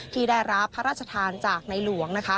ที่ได้รับพระราชทานจากในหลวง